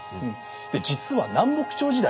実は南北朝時代